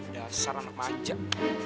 dasar anak majak